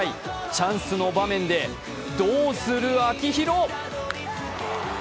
チャンスの場面でどうする秋広？